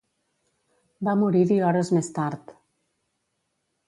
Va morir-hi hores més tard.